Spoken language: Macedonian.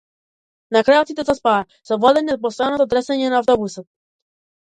На крајот сите заспаа, совладани од постојаното тресење на автобусот.